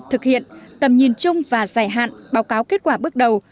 thực hiện tầm nhìn chung và dài hạn báo cáo kết quả bước đầu